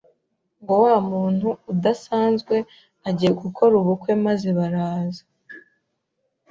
ngo wa muntu udasanzwe agiye gukora ubukwe maze baraza